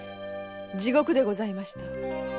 地獄でございました。